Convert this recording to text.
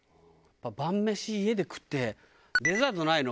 晩飯家で食ってデザートないの？